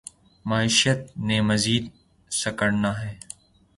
معیشت نے مزید سکڑنا ہے۔